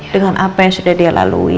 dengan apa yang sudah dia lalui